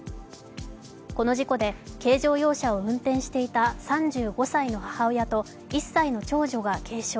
この事故で軽乗用車を運転していた３５歳の母親と１歳の長女が軽傷。